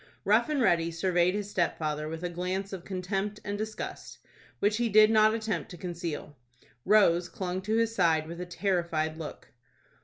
Rough and Ready surveyed his stepfather with a glance of contempt and disgust, which he did not attempt to conceal. Rose clung to his side with a terrified look.